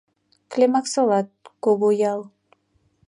Келмаксолат - кугу ял -